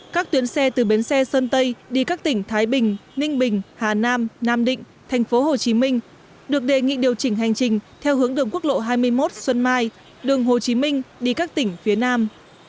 các tuyến xe từ bến xe sơn tây đi các tỉnh thái bình ninh bình hà nam nam định tp hcm được đề nghị điều chỉnh hành trình theo hướng đường quốc lộ hai mươi một xuân mai đường hồ chí minh đi các tỉnh phía nam